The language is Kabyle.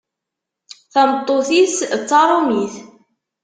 Tameṭṭut-is d taṛumit.